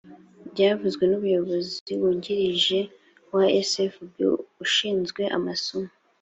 byavuzwe n umuyobozi wungirije wa sfb ushinzwe amasomo